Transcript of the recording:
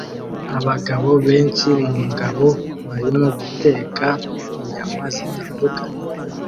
Abagabo benshi mu ngabo barimo guteka inyama zitandukanye